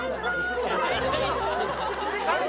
感動！